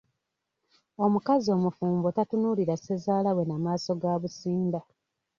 Omukazi omufumbo tatunuulira Ssezaala we na maaso ga busimba.